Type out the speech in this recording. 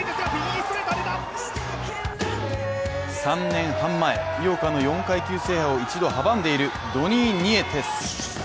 ３年半前、井岡の４階級制覇を一度阻んでいるドニー・ニエテス。